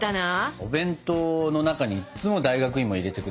お弁当の中にいっつも大学芋入れてくれてたのよ。